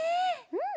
うん！